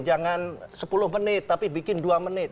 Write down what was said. jangan sepuluh menit tapi bikin dua menit